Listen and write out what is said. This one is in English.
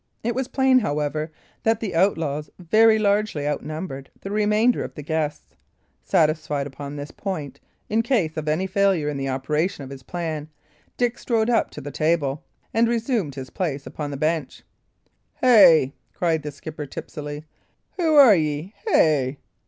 It was plain, however, that the outlaws very largely outnumbered the remainder of the guests. Satisfied upon this point, in case of any failure in the operation of his plan, Dick strode up to the table and resumed his place upon the bench. "Hey?" cried the skipper, tipsily, "who are ye, hey?"